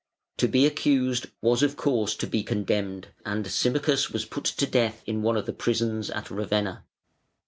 To be accused was of course to be condemned, and Symmachus was put to death in one of the prisons at Ravenna.